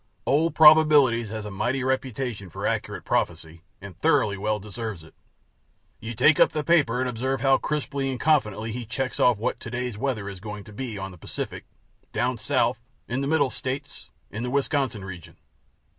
Old Probabilities has a mighty reputation for accurate prophecy, and thoroughly well deserves it. You take up the paper and observe how crisply and confidently he checks off what to day's weather is going to be on the Pacific, down South, in the Middle States, in the Wisconsin region.